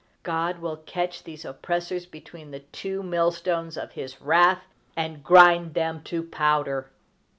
God will catch these oppressors between the two mill stones of his wrath, and grind them to powder!